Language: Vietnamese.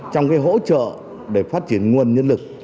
trong hỗ trợ để phát triển nguồn nhân lực